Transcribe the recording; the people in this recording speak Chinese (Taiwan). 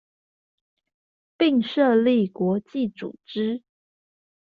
並設立國際組織